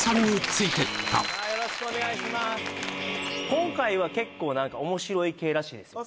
今回は結構面白い系らしいんですよ